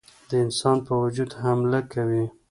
د انسان په وجود حمله کوي.